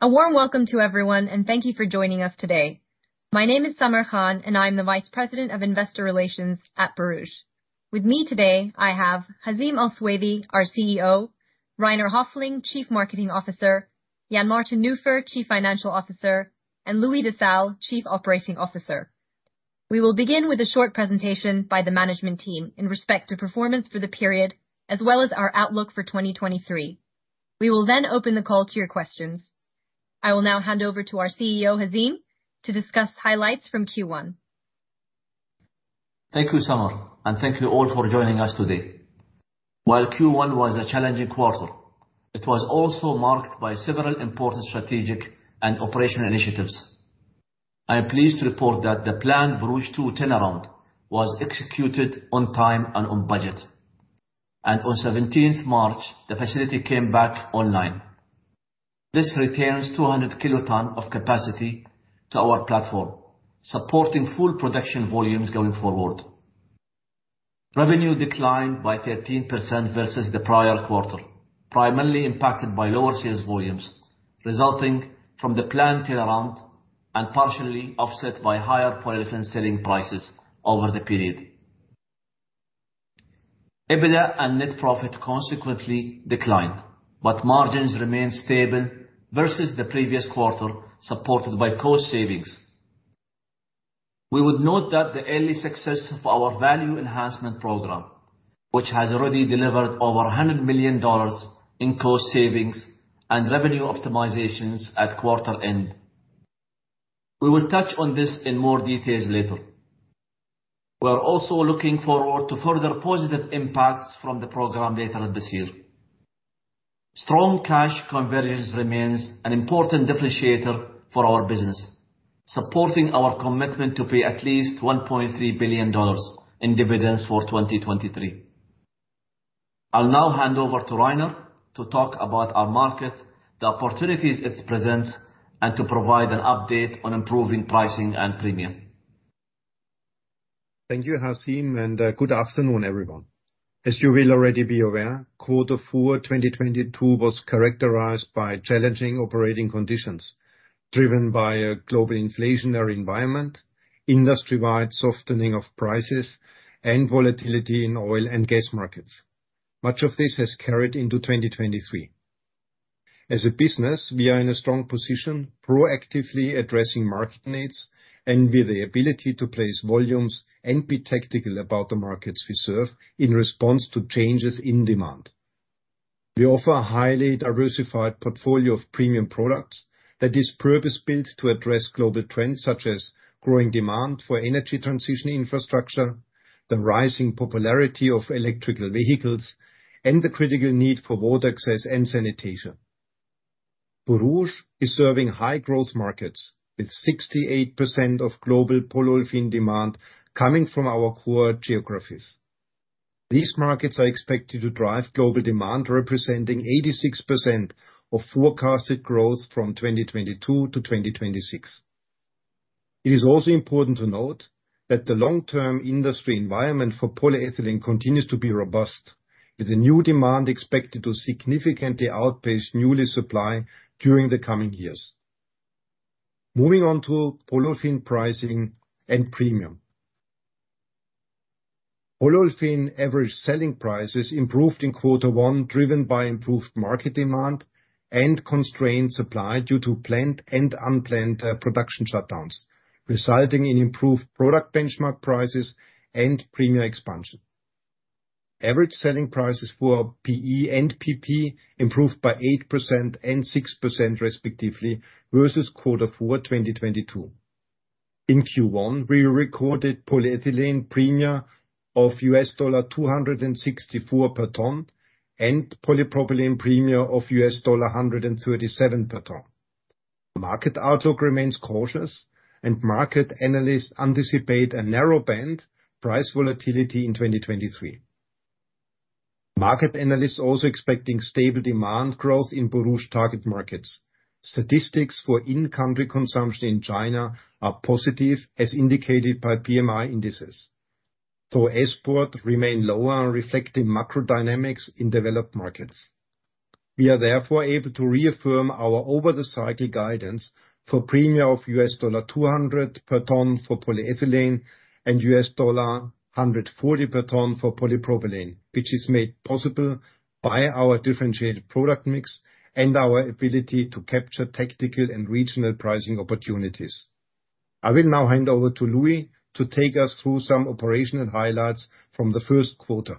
A warm welcome to everyone, and thank you for joining us today. My name is Samar Khan, and I'm the vice president of Investor Relations at Borouge. With me today, I have Hazeem Al Suwaidi, our CEO, Rainer Hoefling, Chief Marketing Officer, Jan-Martin Nufer, Chief Financial Officer, and Louis Desal, Chief Operating Officer. We will begin with a short presentation by the management team in respect to performance for the period as well as our outlook for 2023. We will then open the call to your questions. I will now hand over to our CEO, Hazeem, to discuss highlights from Q1. Thank you, Samar, and thank you all for joining us today. While Q1 was a challenging quarter, it was also marked by several important strategic and operational initiatives. I am pleased to report that the planned Borouge 2 turnaround was executed on time and on budget. On 17th March, the facility came back online. This retains 200 kilotons of capacity to our platform, supporting full production volumes going forward. Revenue declined by 13% versus the prior quarter, primarily impacted by lower sales volumes resulting from the planned turnaround and partially offset by higher polyolefin selling prices over the period. EBITDA and net profit consequently declined, but margins remained stable versus the previous quarter, supported by cost savings. We would note that the early success of our Value Enhancement Program, which has already delivered over $100 million in cost savings and revenue optimizations at quarter end. We will touch on this in more details later. We are also looking forward to further positive impacts from the program later this year. Strong cash conversions remains an important differentiator for our business, supporting our commitment to pay at least $1.3 billion in dividends for 2023. I'll now hand over to Rainer to talk about our market, the opportunities it presents, and to provide an update on improving pricing and premium. Thank you, Hazeem, and good afternoon, everyone. As you will already be aware, Q4 2022 was characterized by challenging operating conditions driven by a global inflationary environment, industry-wide softening of prices, and volatility in oil and gas markets. Much of this has carried into 2023. As a business, we are in a strong position, proactively addressing market needs and with the ability to place volumes and be tactical about the markets we serve in response to changes in demand. We offer a highly diversified portfolio of premium products that is purpose-built to address global trends, such as growing demand for energy transition infrastructure, the rising popularity of electrical vehicles, and the critical need for water access and sanitation. Borouge is serving high growth markets with 68% of global polyolefin demand coming from our core geographies. These markets are expected to drive global demand, representing 86% of forecasted growth from 2022 to 2026. It is also important to note that the long-term industry environment for polyethylene continues to be robust, with the new demand expected to significantly outpace newly supply during the coming years. Moving on to polyolefin pricing and premium. Polyolefin average selling prices improved in Q1, driven by improved market demand and constrained supply due to plant and unplanned production shutdowns, resulting in improved product benchmark prices and premium expansion. Average selling prices for PE and PP improved by 8% and 6% respectively versus Q4 2022. In Q1, we recorded polyethylene premia of $264 per ton and polypropylene premia of $137 per ton. Market outlook remains cautious and market analysts anticipate a narrow band price volatility in 2023. Market analysts also expecting stable demand growth in Borouge target markets. Statistics for in-country consumption in China are positive as indicated by PMI indices, though export remain lower, reflecting macro dynamics in developed markets. We are therefore able to reaffirm our over the cycle guidance for premia of $200 per ton for polyethylene and $140 per ton for polypropylene, which is made possible by our differentiated product mix and our ability to capture tactical and regional pricing opportunities. I will now hand over to Louis to take us through some operational highlights from the first quarter.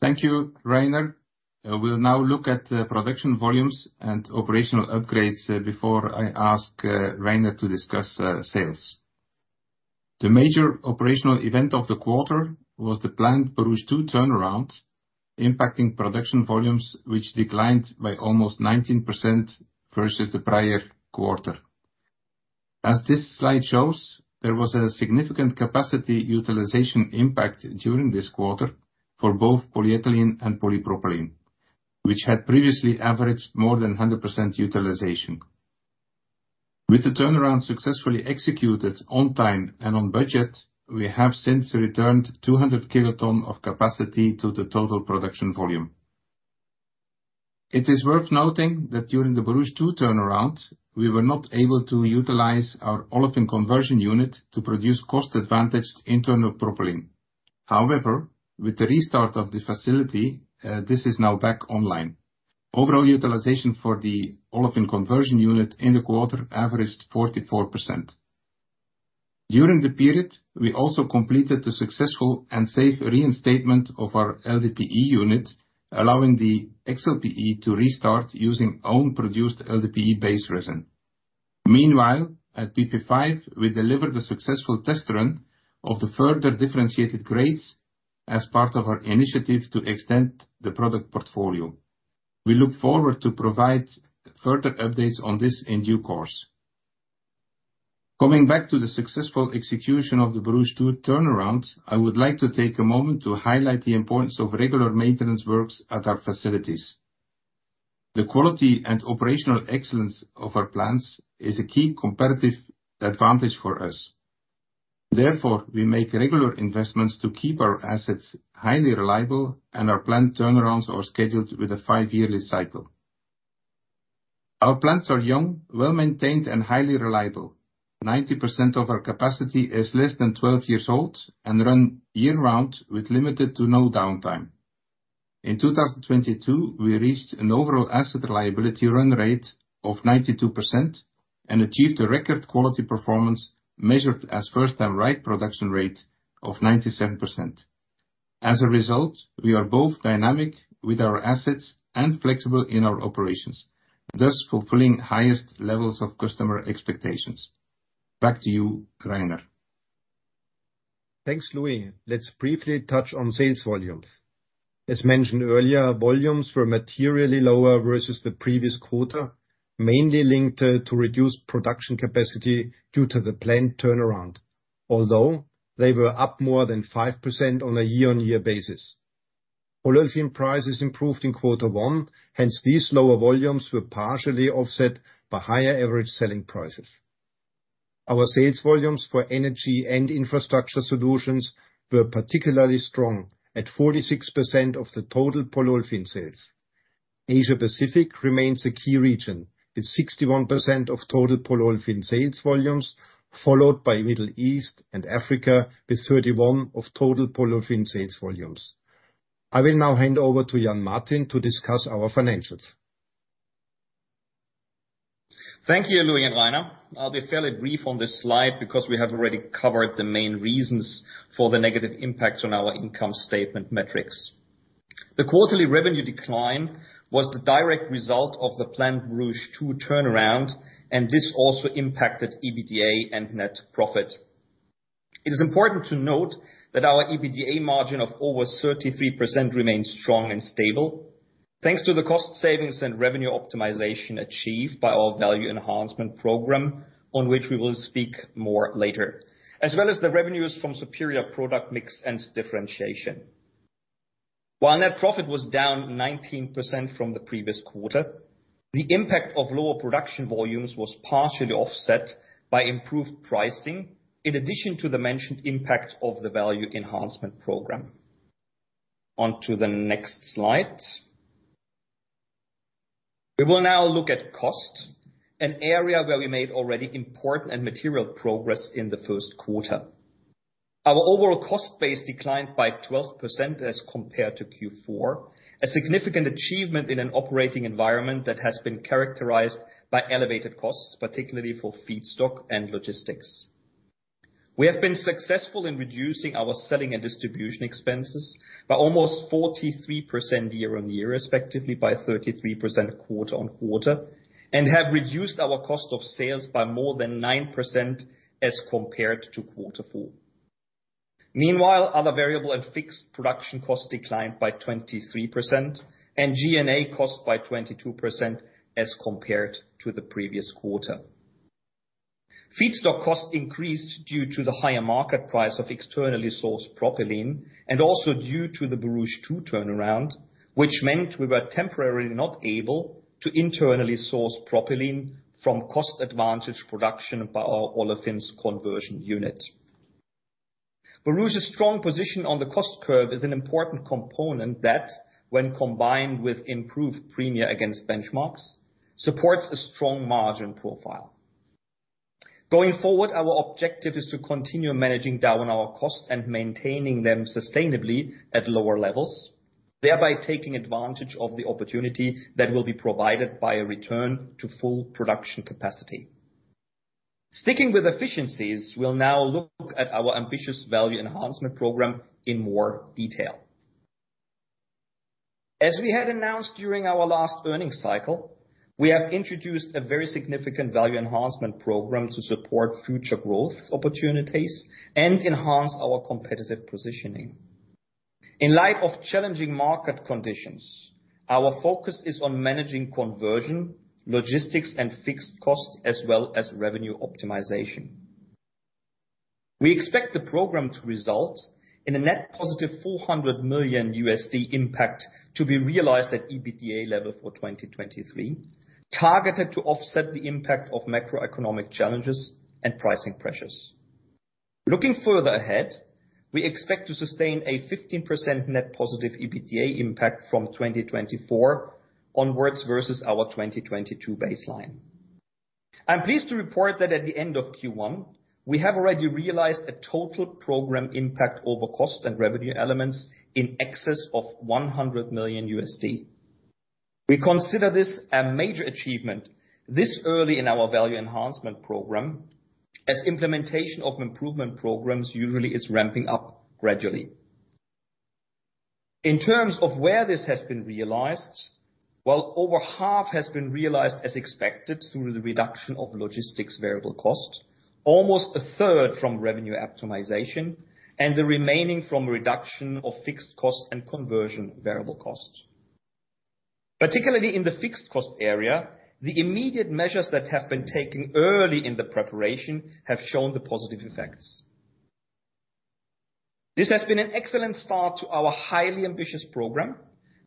Thank you, Rainer. We'll now look at the production volumes and operational upgrades, before I ask Rainer to discuss sales. The major operational event of the quarter was the planned Borouge 2 turnaround, impacting production volumes, which declined by almost 19% versus the prior quarter. As this slide shows, there was a significant capacity utilization impact during this quarter for both polyethylene and polypropylene, which had previously averaged more than 100% utilization. With the turnaround successfully executed on time and on budget, we have since returned 200 kilotons of capacity to the total production volume. It is worth noting that during the Borouge 2 turnaround, we were not able to utilize our Olefins Conversion Unit to produce cost-advantaged internal propylene. With the restart of the facility, this is now back online. Overall utilization for the Olefins Conversion Unit in the quarter averaged 44%. During the period, we also completed the successful and safe reinstatement of our LDPE unit, allowing the XLPE to restart using own produced LDPE-based resin. Meanwhile, at PP5, we delivered a successful test run of the further differentiated grades as part of our initiative to extend the product portfolio. We look forward to provide further updates on this in due course. Coming back to the successful execution of the Borouge 2 turnaround, I would like to take a moment to highlight the importance of regular maintenance works at our facilities. The quality and operational excellence of our plants is a key competitive advantage for us. Therefore, we make regular investments to keep our assets highly reliable, and our plant turnarounds are scheduled with a five-yearly cycle. Our plants are young, well-maintained, and highly reliable. 90% of our capacity is less than 12 years old and run year-round with limited to no downtime. In 2022, we reached an overall asset reliability run rate of 92% and achieved a record quality performance measured as first-time-right production rate of 97%. As a result, we are both dynamic with our assets and flexible in our operations, thus fulfilling highest levels of customer expectations. Back to you, Rainer. Thanks, Louis. Let's briefly touch on sales volumes. As mentioned earlier, volumes were materially lower versus the previous quarter, mainly linked to reduced production capacity due to the plant turnaround. They were up more than 5% on a year-on-year basis. Olefin prices improved in Q1, hence, these lower volumes were partially offset by higher average selling prices. Our sales volumes for Energy and Infrastructure Solutions were particularly strong at 46% of the total polyolefin sales. Asia Pacific remains a key region, with 61% of total polyolefin sales volumes, followed by Middle East and Africa with 31% of total polyolefin sales volumes. I will now hand over to Jan-Martin to discuss our financials. Thank you, Louis and Rainer. I'll be fairly brief on this slide because we have already covered the main reasons for the negative impact on our income statement metrics. The quarterly revenue decline was the direct result of the plant Borouge 2 turnaround, and this also impacted EBITDA and net profit. It is important to note that our EBITDA margin of over 33% remains strong and stable. Thanks to the cost savings and revenue optimization achieved by our Value Enhancement Program, on which we will speak more later, as well as the revenues from superior product mix and differentiation. While net profit was down 19% from the previous quarter, the impact of lower production volumes was partially offset by improved pricing in addition to the mentioned impact of the Value Enhancement Program. Onto the next slide. We will now look at cost, an area where we made already important and material progress in the first quarter. Our overall cost base declined by 12% as compared to Q4. A significant achievement in an operating environment that has been characterized by elevated costs, particularly for feedstock and logistics. We have been successful in reducing our selling and distribution expenses by almost 43% year-on-year, respectively by 33% quarter-on-quarter, and have reduced our cost of sales by more than 9% as compared to quarter four. Meanwhile, other variable and fixed production costs declined by 23% and G&A costs by 22% as compared to the previous quarter. Feedstock costs increased due to the higher market price of externally sourced propylene and also due to the Borouge 2 turnaround, which meant we were temporarily not able to internally source propylene from cost-advantaged production by our Olefins Conversion Unit. Borouge's strong position on the cost curve is an important component that, when combined with improved premia against benchmarks, supports a strong margin profile. Going forward, our objective is to continue managing down our cost and maintaining them sustainably at lower levels, thereby taking advantage of the opportunity that will be provided by a return to full production capacity. Sticking with efficiencies, we'll now look at our ambitious Value Enhancement Program in more detail. As we had announced during our last earnings cycle, we have introduced a very significant Value Enhancement Program to support future growth opportunities and enhance our competitive positioning. In light of challenging market conditions, our focus is on managing conversion, logistics, and fixed costs, as well as revenue optimization. We expect the program to result in a net positive $400 million impact to be realized at EBITDA level for 2023, targeted to offset the impact of macroeconomic challenges and pricing pressures. Looking further ahead, we expect to sustain a 15% net positive EBITDA impact from 2024 onwards versus our 2022 baseline. I'm pleased to report that at the end of Q1, we have already realized a total program impact over cost and revenue elements in excess of $100 million. We consider this a major achievement this early in our Value Enhancement Program, as implementation of improvement programs usually is ramping up gradually. In terms of where this has been realized, while over half has been realized as expected through the reduction of logistics variable cost, almost a third from revenue optimization and the remaining from reduction of fixed cost and conversion variable cost. Particularly in the fixed cost area, the immediate measures that have been taken early in the preparation have shown the positive effects. This has been an excellent start to our highly ambitious program,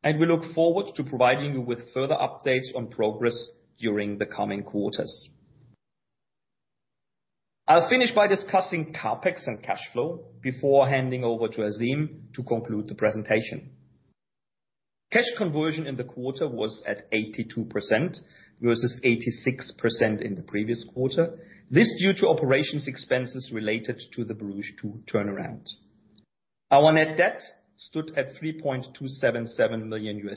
and we look forward to providing you with further updates on progress during the coming quarters. I'll finish by discussing CapEx and cash flow before handing over to Hazeem to conclude the presentation. Cash conversion in the quarter was at 82% versus 86% in the previous quarter. This due to operations expenses related to the Borouge 2 turnaround. Our net debt stood at $3.277 million.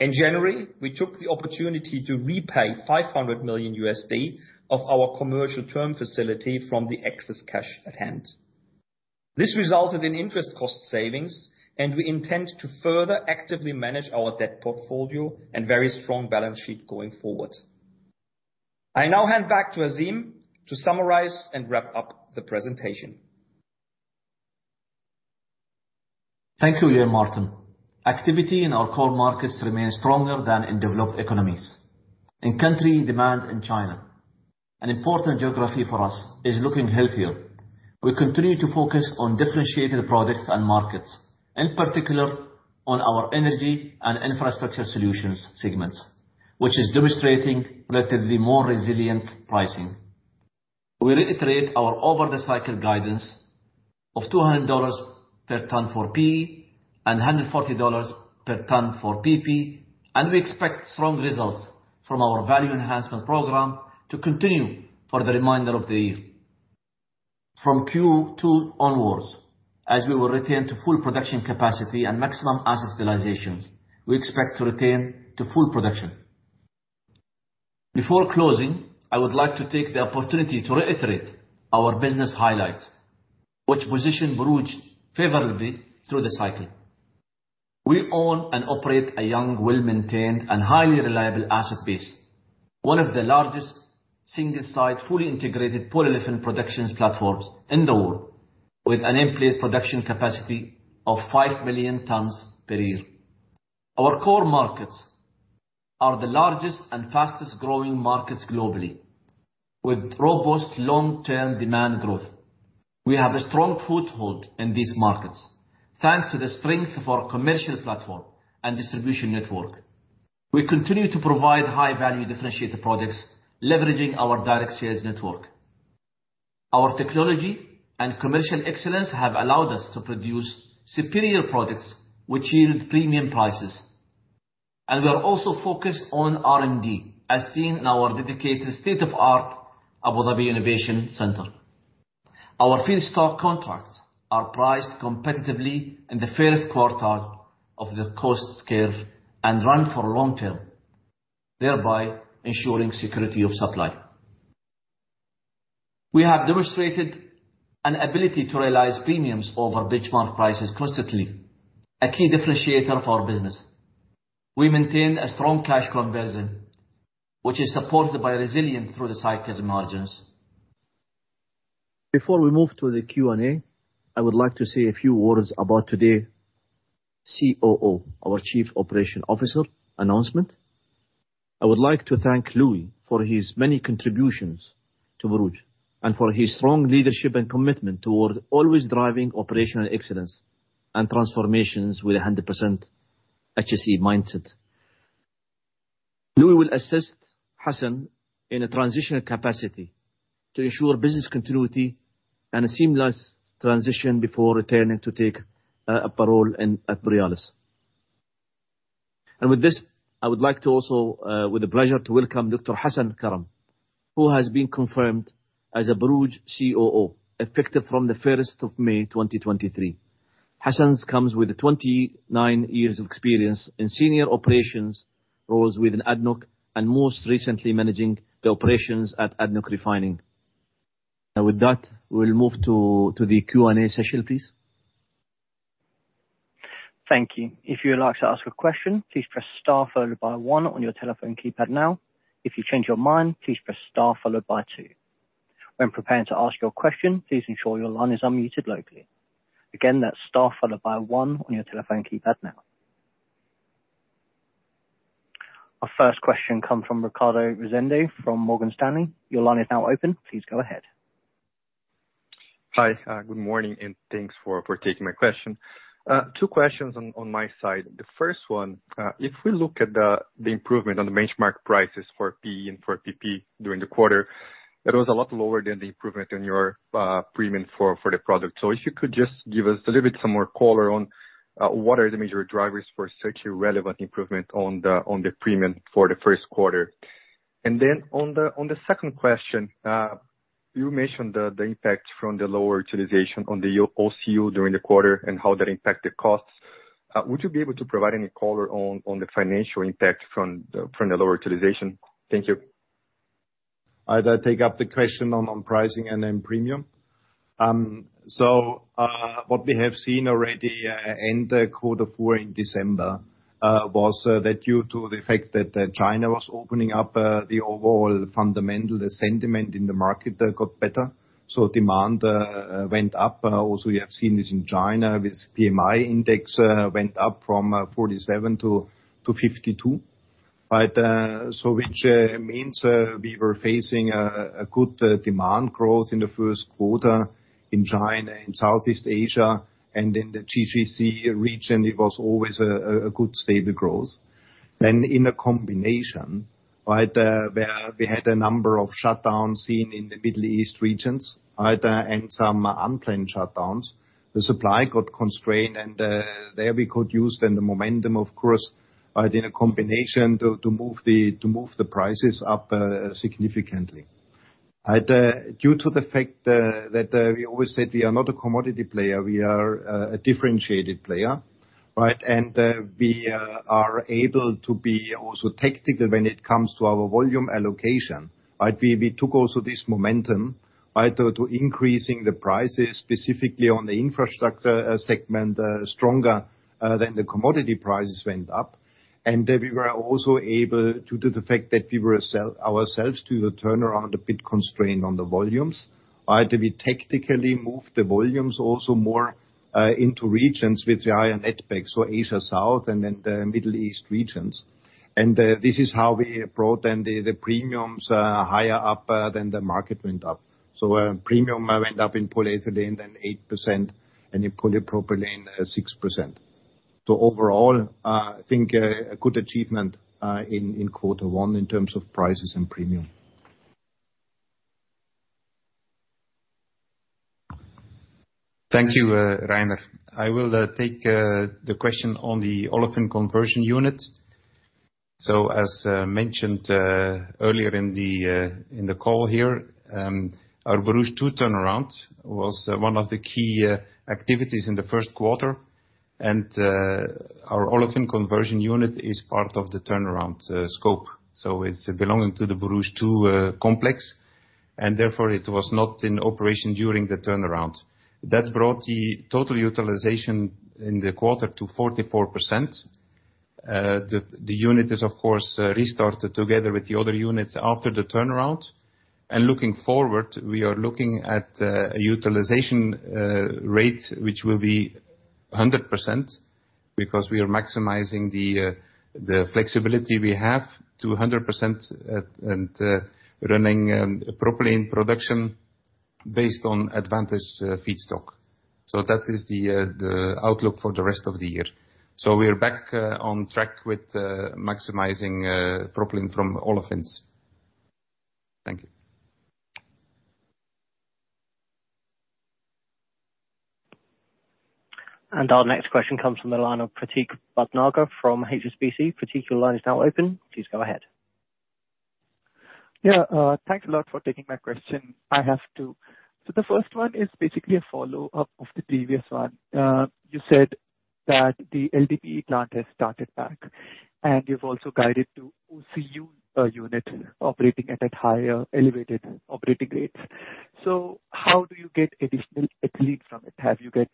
In January, we took the opportunity to repay $500 million of our Commercial Term Facility from the excess cash at hand. This resulted in interest cost savings. We intend to further actively manage our debt portfolio and very strong balance sheet going forward. I now hand back to Hazeem to summarize and wrap up the presentation. Thank you, Jan-Martin. Activity in our core markets remains stronger than in developed economies. In-country demand in China, an important geography for us is looking healthier. We continue to focus on differentiated products and markets, in particular on our Energy and Infrastructure Solutions segments, which is demonstrating relatively more resilient pricing. We reiterate our over the cycle guidance of $200 per ton for PE and $140 per ton for PP, and we expect strong results from our Value Enhancement Program to continue for the remainder of the year. From Q2 onwards, as we will return to full production capacity and maximum asset utilization, we expect to return to full production. Before closing, I would like to take the opportunity to reiterate our business highlights, which position Borouge favorably through the cycle. We own and operate a young, well-maintained, and highly reliable asset base, one of the largest single-site, fully integrated polyolefin production platforms in the world with an in-play production capacity of 5 million tonnes per year. Our core markets are the largest and fastest growing markets globally, with robust long-term demand growth. We have a strong foothold in these markets, thanks to the strength of our commercial platform and distribution network. We continue to provide high-value differentiated products, leveraging our direct sales network. Our technology and commercial excellence have allowed us to produce superior products which yield premium prices. We are also focused on R&D, as seen in our dedicated state-of-the-art Abu Dhabi Innovation Center. Our feedstock contracts are priced competitively in the first quartile of the cost curve and run for long-term, thereby ensuring security of supply. We have demonstrated an ability to realize premiums over benchmark prices consistently, a key differentiator of our business. We maintain a strong cash conversion, which is supported by resilient through the cycle margins. Before we move to the Q&A, I would like to say a few words about today's COO, our Chief Operating Officer announcement. I would like to thank Louis for his many contributions to Borouge and for his strong leadership and commitment towards always driving operational excellence and transformation with a 100% HSE mindset. Louis will assist Hasan in a transitional capacity to ensure business continuity and a seamless transition before returning to take a role in Borealis. With this, I would like to also with the pleasure to welcome Dr. Hasan Karam, who has been confirmed as a Borouge COO, effective from the first of May, 2023. Hasan comes with 29 years of experience in senior operations, roles within ADNOC, and most recently managing the operations at ADNOC Refining. With that, we'll move to the Q&A session, please. Thank you. If you would like to ask a question, please press star followed by one on your telephone keypad now. If you change your mind, please press star followed by two. When preparing to ask your question, please ensure your line is unmuted locally. Again, that's star followed by one on your telephone keypad now. Our first question come from Ricardo Rezende from Morgan Stanley. Your line is now open. Please go ahead. Hi, good morning, and thanks for taking my question. Two questions on my side. The first one, if we look at the improvement on the benchmark prices for PE and for PP during the quarter, it was a lot lower than the improvement in your premium for the product. If you could just give us a little bit some more color on what are the major drivers for such a relevant improvement on the premium for the first quarter? On the second question, you mentioned the impact from the lower utilization on the OCU during the quarter and how that impacted costs. Would you be able to provide any color on the financial impact from the lower utilization? Thank you. I will take up the question on pricing and then premium. What we have seen already in the quarter four in December was that due to the fact that China was opening up, the overall fundamental sentiment in the market got better, so demand went up. Also, we have seen this in China with PMI index went up from 47 to 52. Which means we were facing a good demand growth in the first quarter in China and Southeast Asia, and in the GCC region it was always a good stable growth. In a combination, right, where we had a number of shutdowns seen in the Middle East regions, right, and some unplanned shutdowns. The supply got constrained and there we could use then the momentum of course, in a combination to move the prices up significantly. Due to the fact that we always said we are not a commodity player, we are a differentiated player, right? We are able to be also tactical when it comes to our volume allocation. Right? We took also this momentum, right, to increasing the prices specifically on the infrastructure segment stronger than the commodity prices went up. We were also able to do the fact that we were ourselves to turn around a bit constrained on the volumes. Right? We tactically moved the volumes also more into regions with the higher netbacks, so Asia South and then the Middle East regions. This is how we brought then the premiums higher up than the market went up. Premium went up in polyethylene then 8% and in polypropylene, 6%. Overall, I think a good achievement in quarter one in terms of prices and premium. Thank you, Rainer. I will take the question on the Olefins Conversion Unit. As mentioned earlier in the call here, our Borouge 2 turnaround was one of the key activities in the first quarter. Our Olefins Conversion Unit is part of the turnaround scope. It's belonging to the Borouge 2 complex, and therefore it was not in operation during the turnaround. That brought the total utilization in the quarter to 44%. The unit is of course restarted together with the other units after the turnaround. Looking forward, we are looking at a utilization rate which will be 100% because we are maximizing the flexibility we have to 100% at, and running propylene production based on advantaged feedstock. That is the outlook for the rest of the year. We are back, on track with, maximizing, propylene from olefins. Thank you. Our next question comes from the line of Prateek Bhatnagar from HSBC. Prateek, your line is now open. Please go ahead. Thanks a lot for taking my question. I have two. The first one is basically a follow-up of the previous one. You said that the LDPE plant has started back, and you've also guided to OCU unit operating at a higher elevated operating rate. How do you get additional ethylene from it? Have you got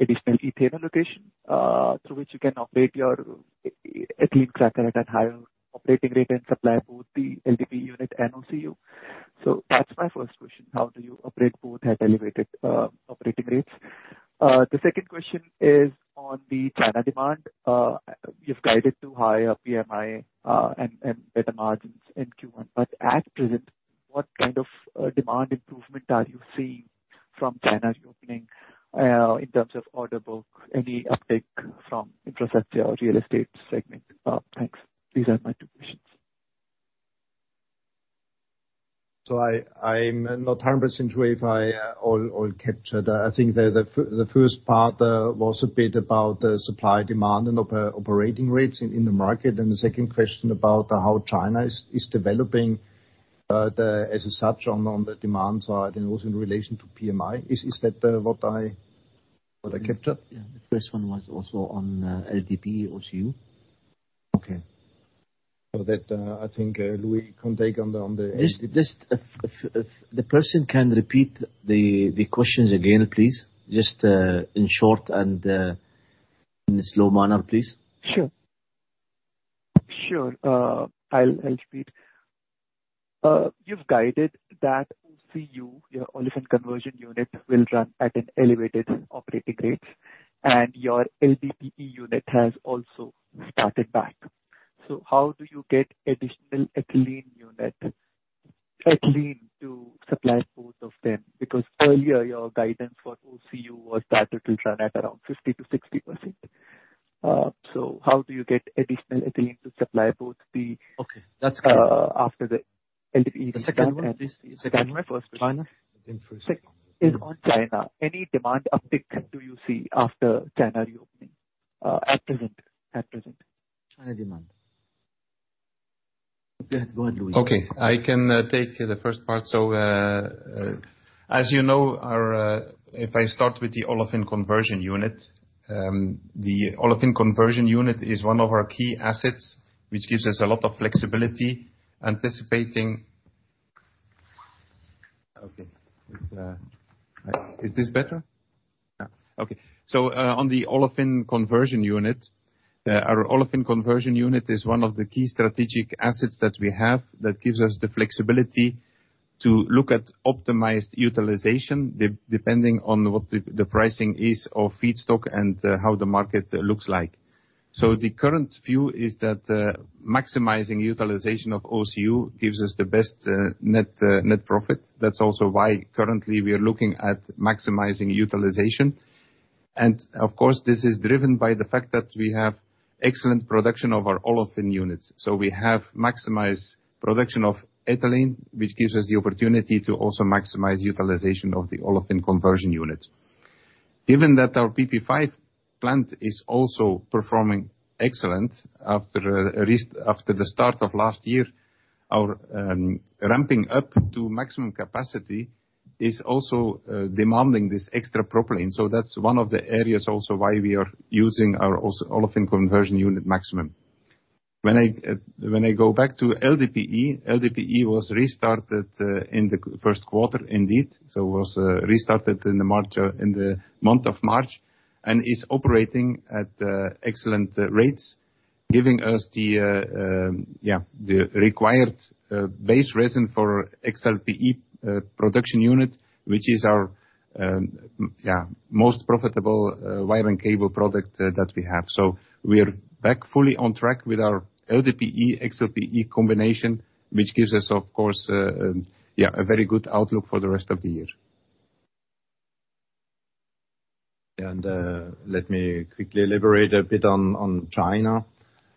additional ethane allocation through which you can operate your ethylene cracker at a higher operating rate and supply both the LDPE unit and OCU? That's my first question. How do you operate both at elevated operating rates? The second question is on the China demand. You've guided to higher PMI and better margins in Q1. At present, what kind of demand improvement are you seeing from China reopening, in terms of order book, any uptick from infrastructure or real estate segment? Thanks. These are my two questions. I'm not 100% sure if I all captured. I think the first part was a bit about the supply, demand and operating rates in the market. The second question about how China is developing as such on the demand side and also in relation to PMI. Is that what I captured? Yeah. The first one was also on LDPE, OCU. Okay. That, I think, Louis can take on the. Just if the person can repeat the questions again, please. Just in short and in a slow manner, please. Sure. Sure. I'll repeat. You've guided that OCU, your Olefins Conversion Unit, will run at an elevated operating rate, and your LDPE unit has also started back. How do you get additional ethylene to supply both of them? Because earlier your guidance for OCU was that it will run at around 50% to 60%. How do you get additional ethylene to supply both the. Okay. After the LDPE. Second one, please. Second one. China. Is on China. Any demand uptick do you see after China reopening, at present? China demand. Yes, go ahead, Louis. I can take the first part. As you know, if I start with the Olefins Conversion Unit, the Olefins Conversion Unit is one of our key assets, which gives us a lot of flexibility anticipating. Okay. If, is this better? Yeah. Okay. On the Olefins Conversion Unit, our Olefins Conversion Unit is one of the key strategic assets that we have that gives us the flexibility to look at optimized utilization depending on what the pricing is of feedstock and how the market looks like. The current view is that maximizing utilization of OCU gives us the best net profit. That's also why currently we are looking at maximizing utilization. Of course, this is driven by the fact that we have excellent production of our olefin units. We have maximized production of ethylene, which gives us the opportunity to also maximize utilization of the Olefins Conversion Unit. Given that our PP5 plant is also performing excellent after the start of last year, our ramping up to maximum capacity is also demanding this extra propylene. That's one of the areas also why we are using our Olefins Conversion Unit maximum. When I go back to LDPE was restarted in the first quarter indeed, was restarted in the month of March and is operating at excellent rates, giving us the, yeah, the required base resin for XLPE production unit, which is our, yeah, most profitable wire and cable product that we have. We are back fully on track with our LDPE/XLPE combination, which gives us, of course, yeah, a very good outlook for the rest of the year. Let me quickly elaborate a bit on China.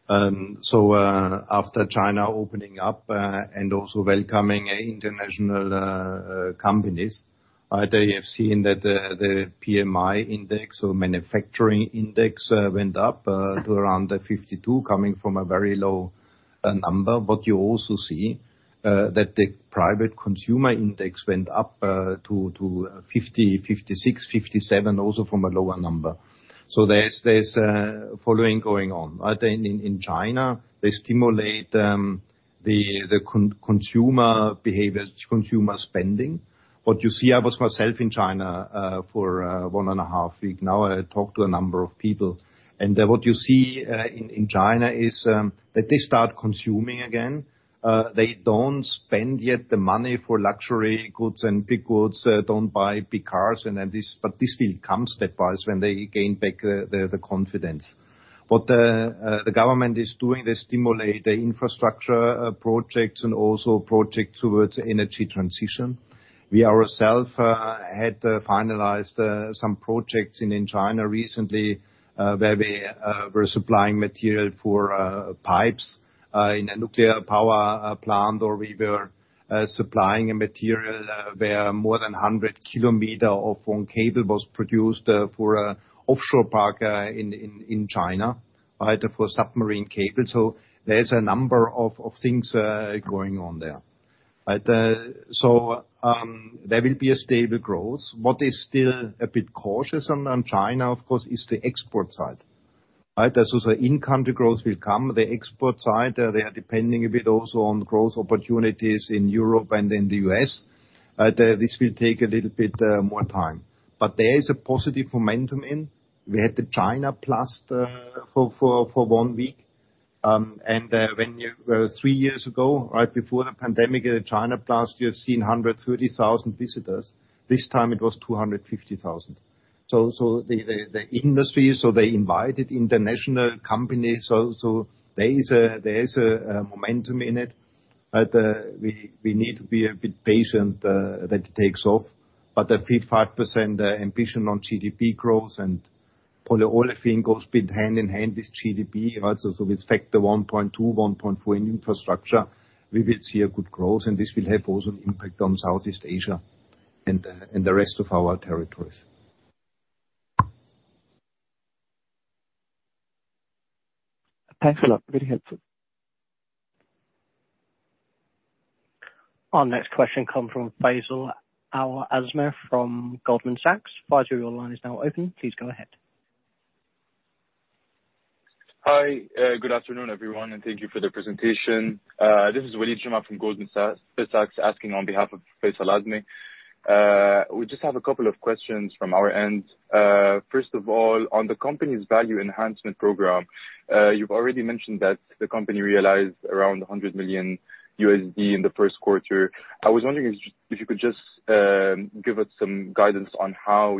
After China opening up and also welcoming international companies, they have seen that the PMI index or manufacturing index went up to around 52, coming from a very low number. You also see that the private consumer index went up to 50, 56, 57, also from a lower number. There's a following going on, right? In China, they stimulate the consumer behavior, consumer spending. What you see, I was myself in China for one and a half week now. I talked to a number of people. What you see in China is that they start consuming again. They don't spend yet the money for luxury goods and big goods, don't buy big cars but this will come stepwise when they gain back the confidence. What the government is doing, they stimulate the infrastructure projects and also projects towards energy transition. We ourself had finalized some projects in China recently, where we were supplying material for pipes in a nuclear power plant, or we were supplying a material where more than 100 km of one cable was produced for a offshore park in China, right, for submarine cable. There's a number of things going on there, right? There will be a stable growth. What is still a bit cautious on China, of course, is the export side, right? Also in-country growth will come. The export side, they are depending a bit also on growth opportunities in Europe and in the U.S. This will take a little bit more time. There is a positive momentum in. We had the Chinaplas for one week. When three years ago, right before the pandemic Chinaplas you have seen 130,000 visitors. This time it was 250,000. The industry, they invited international companies. There is a momentum in it, we need to be a bit patient that takes off. A 3-5% ambition on GDP growth and polyolefin growth being hand in hand with GDP, right. With factor 1.2, 1.4 in infrastructure, we will see a good growth, and this will have also an impact on Southeast Asia and the rest of our territories. Thanks a lot. Very helpful. Our next question come from Basil Al Azmeh from Goldman Sachs. Basil, your line is now open. Please go ahead. Hi, good afternoon, everyone, and thank you for the presentation. This is Wim Jamar from Goldman Sachs, asking on behalf of Basil Azmeh. We just have a couple of questions from our end. First of all, on the company's Value Enhancement Program, you've already mentioned that the company realized around $100 million in the first quarter. I was wondering if you could just give us some guidance on how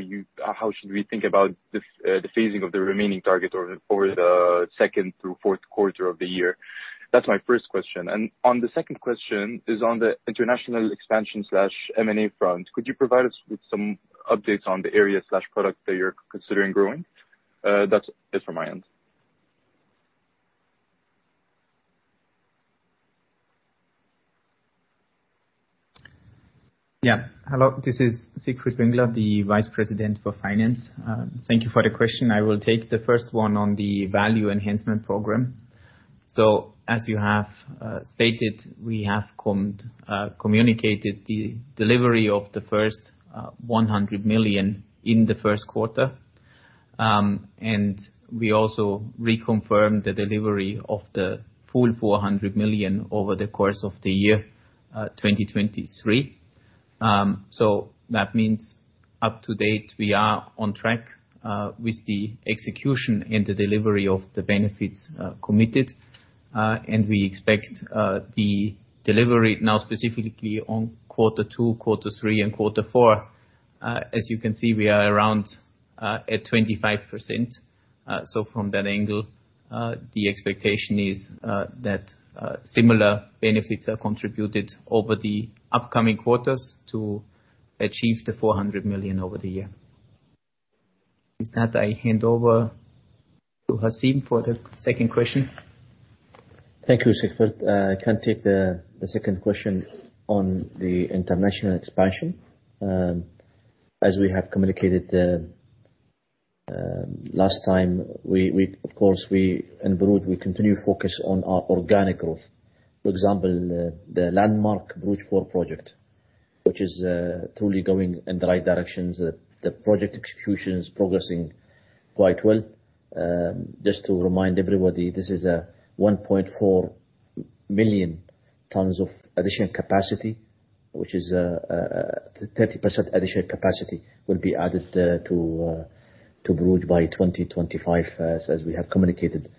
should we think about this, the phasing of the remaining target or for the second through fourth quarter of the year. That's my first question. On the second question is on the international expansion slash M&A front. Could you provide us with some updates on the area slash product that you're considering growing? That's it from my end. Hello, this is Siegfried Wengler, the Vice President for Finance. Thank you for the question. I will take the first one on the Value Enhancement Program. As you have stated, we have communicated the delivery of the first $100 million in the first quarter. We also reconfirmed the delivery of the full $400 million over the course of the year 2023. That means up to date, we are on track with the execution and the delivery of the benefits committed. We expect the delivery now specifically on quarter two, quarter three, and quarter four. As you can see, we are around at 25%. From that angle, the expectation is that similar benefits are contributed over the upcoming quarters to achieve the $400 million over the year. With that, I hand over to Hazeem for the second question. Thank you, Siegfried. I can take the second question on the international expansion. As we have communicated last time, we of course, we in Borouge, we continue to focus on our organic growth. For example, the landmark Borouge 4 project, which is truly going in the right directions. The project execution is progressing quite well. Just to remind everybody, this is 1.4 million tons of additional capacity, which is a 30% additional capacity will be added to Borouge by 2025, as we have communicated.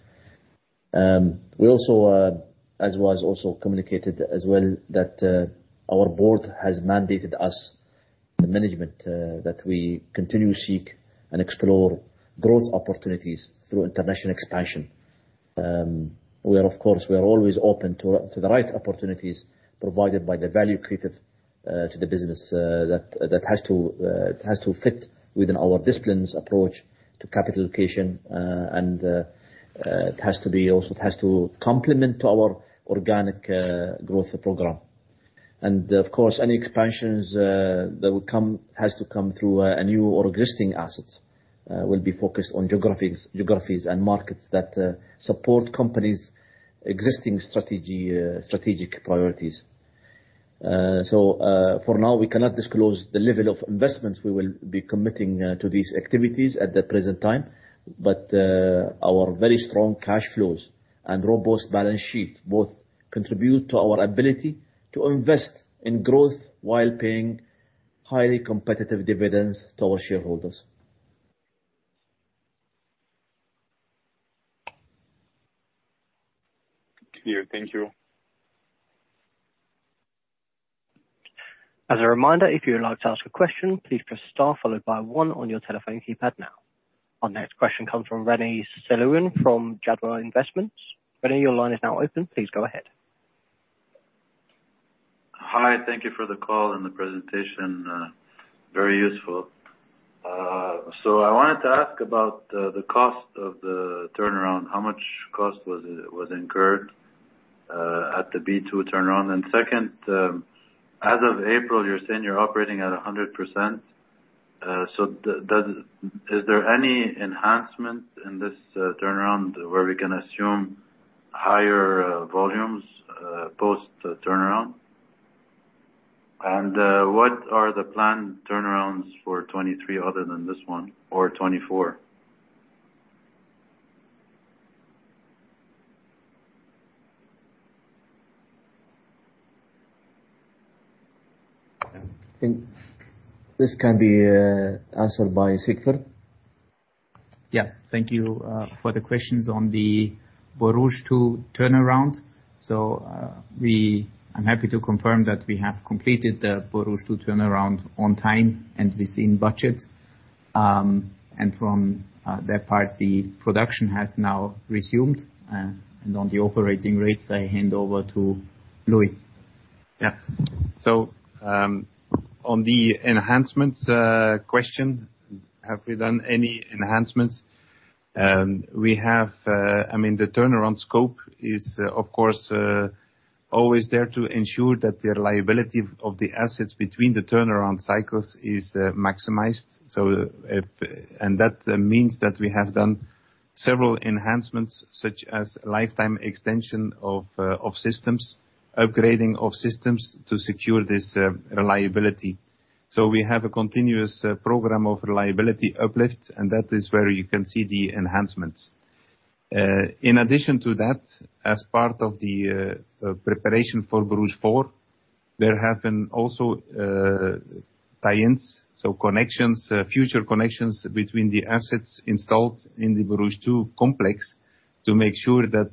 We also, as was also communicated as well, that our board has mandated us, the management, that we continue to seek and explore growth opportunities through international expansion. We are of course, we are always open to the right opportunities provided by the value created to the business that has to fit within our disciplines approach to capital allocation. It has to be also, it has to complement our organic growth program. Of course, any expansions that would come, has to come through a new or existing assets, will be focused on geographies and markets that support company's existing strategy, strategic priorities. For now, we cannot disclose the level of investments we will be committing to these activities at the present time. Our very strong cash flows and robust balance sheet both contribute to our ability to invest in growth while paying highly competitive dividends to our shareholders. Clear. Thank you. As a reminder, if you would like to ask a question, please press star followed by one on your telephone keypad now. Our next question comes from René Selvin from Jadwa Investment. Rene, your line is now open. Please go ahead. Hi. Thank you for the call and the presentation. Very useful. I wanted to ask about the cost of the turnaround. How much cost was incurred at the B2 turnaround? Second, as of April, you're saying you're operating at 100%. Is there any enhancement in this turnaround where we can assume higher volumes post turnaround? What are the planned turnarounds for 2023 other than this one or 2024? This can be answered by Siegfried. Thank you for the questions on the Borouge 2 turnaround. I'm happy to confirm that we have completed the Borouge 2 turnaround on time, and within budget. From that part, the production has now resumed. On the operating rates, I hand over to Louis. On the enhancements question, have we done any enhancements? We have, I mean, the turnaround scope is, of course, always there to ensure that the reliability of the assets between the turnaround cycles is maximized. That means that we have done several enhancements such as lifetime extension of systems, upgrading of systems to secure this reliability. We have a continuous program of reliability uplift, and that is where you can see the enhancements. In addition to that, as part of the preparation for Borouge 4, there have been also tie-ins, so connections, future connections between the assets installed in the Borouge 2 complex to make sure that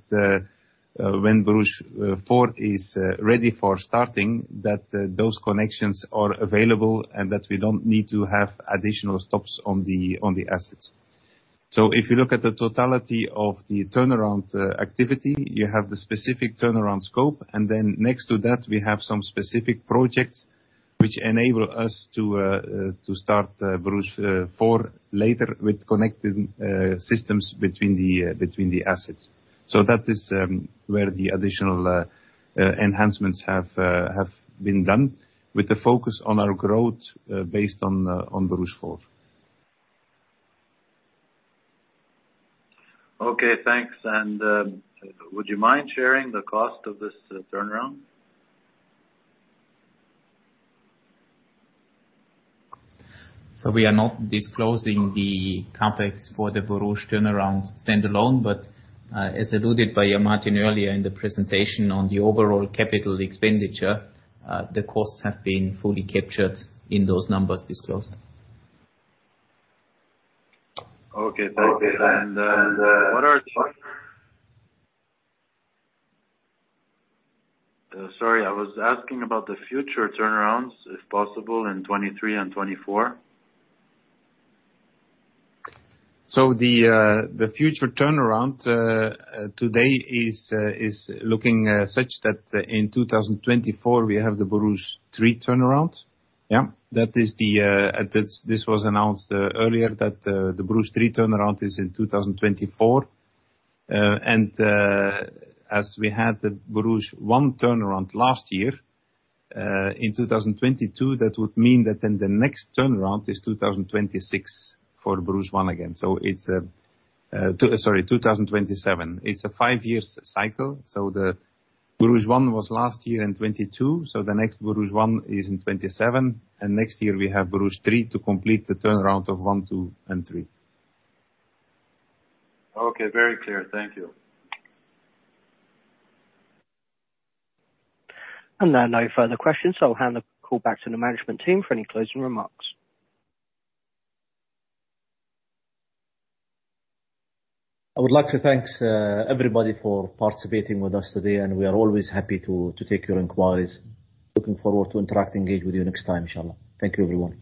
when Borouge 4 is ready for starting, that those connections are available and that we don't need to have additional stops on the assets. If you look at the totality of the turnaround activity, you have the specific turnaround scope, and then next to that, we have some specific projects which enable us to start Borouge 4 later with connecting systems between the assets. That is where the additional enhancements have been done with the focus on our growth based on Borouge 4. Okay, thanks. Would you mind sharing the cost of this turnaround? We are not disclosing the CapEx for the Borouge turnaround standalone, but, as alluded by Martin earlier in the presentation on the overall capital expenditure, the costs have been fully captured in those numbers disclosed. Okay, thank you. Sorry, I was asking about the future turnarounds, if possible, in 2023 and 2024. The future turnaround today is looking such that in 2024, we have the Borouge 3 turnaround. Yeah. That is the, at this was announced earlier that the Borouge 3 turnaround is in 2024. As we had the Borouge 1 turnaround last year, in 2022, that would mean that the next turnaround is 2026 for Borouge 1 again. Sorry, 2027. It's a five-year cycle. The Borouge 1 was last year in 2022, so the next Borouge 1 is in 2027, and next year we have Borouge 3 to complete the turnaround of 1, 2, and 3. Okay, very clear. Thank you. There are no further questions, so I'll hand the call back to the management team for any closing remarks. I would like to thank everybody for participating with us today, and we are always happy to take your inquiries. Looking forward to interacting, engage with you next time, Inshallah. Thank you, everyone.